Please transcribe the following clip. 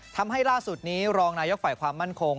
ทำให้ล่าสุดนี้รองนายกฝ่ายความมั่นคง